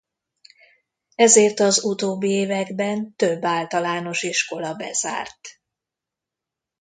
Ezért az utóbbi években több általános iskola bezárt.